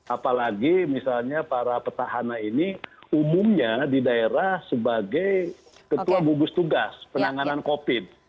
apalagi misalnya para petahana ini umumnya di daerah sebagai ketua gugus tugas penanganan covid